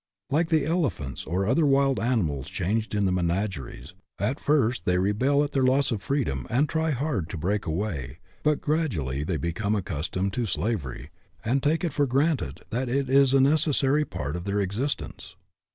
Like the elephants or other wild animals chained in the menageries, at first they rebel at their loss of freedom and try hard to break away ; but gradually they become accustomed to slav ery, and take it for granted that it is a neces sary part of their existence.